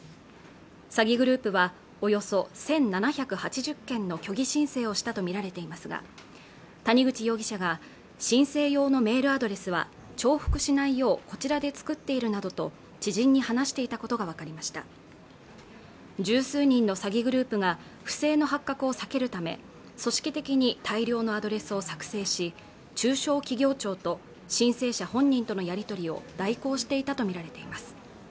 詐欺グループはおよそ１７８０件の虚偽申請をしたと見られていますが谷口容疑者が申請用のメールアドレスは重複しないようこちらで作っているなどと知人に話していたことが分かりました十数人の詐欺グループが不正の発覚を避けるため組織的に大量のアドレスを作成し中小企業庁と申請者本人とのやり取りを代行していたと見られています